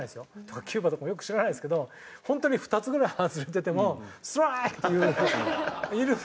キューバとかもよく知らないですけどホントに２つぐらい外れててもストライクって言ういるのよね。